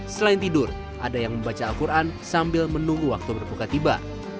selain tidur ada yang membaca al quran sambil menunggu waktu berbuka tiba